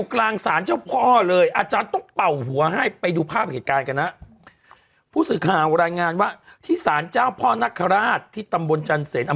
กลางศาลเจ้าพ่อเลยอาจารย์ต้องเป่าหัวให้ไปดูภาพเหตุการณ์กันนะผู้สื่อข่าวรายงานว่าที่สารเจ้าพ่อนคราชที่ตำบลจันเสน